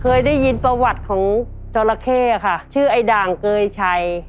เคยได้ยินประวัติของจราเข้ค่ะชื่อไอ้ด่างเกยชัย